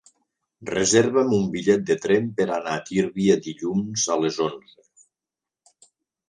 Reserva'm un bitllet de tren per anar a Tírvia dilluns a les onze.